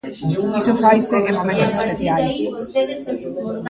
Iso faise en momentos especiais.